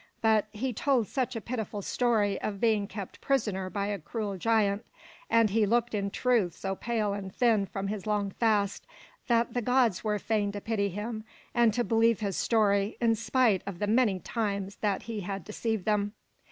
But he told such a pitiful story of being kept prisoner by a cruel giant, and he looked in truth so pale and thin from his long fast, that the gods were fain to pity him and to believe his story, in spite of the many times that he had deceived them.